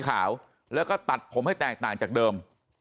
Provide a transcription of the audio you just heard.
ขาวแล้วก็ตัดผมให้แตกต่างจากเดิม